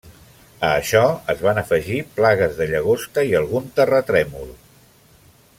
A això, es van afegir plagues de llagosta i algun terratrèmol.